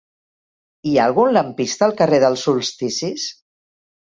Hi ha algun lampista al carrer dels Solsticis?